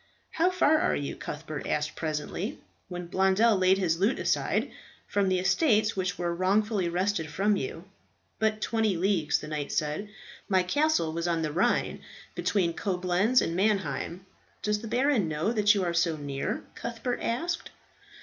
"How far are you," Cuthbert asked presently, when Blondel laid his lute aside, "from the estates which were wrongfully wrested from you?" "But twenty leagues," the knight said. "My castle was on the Rhine, between Coblentz and Mannheim." "Does the baron know that you are so near?" Cuthbert asked.